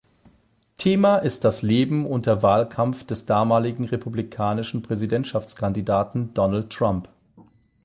Thema ist das Leben und der Wahlkampf des damaligen republikanischen Präsidentschaftskandidaten Donald Trump.